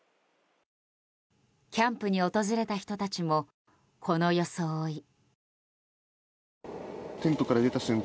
キャンプに訪れた人たちもこの装い。